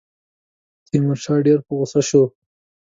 تیمورشاه ډېر په غوسه شو.